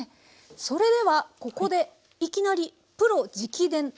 それではここでいきなりプロ直伝！